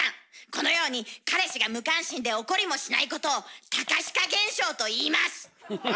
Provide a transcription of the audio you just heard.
このように彼氏が無関心で怒りもしないことを「隆史化現象」といいます！